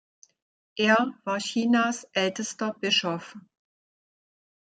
Er war Chinas ältester Bischof.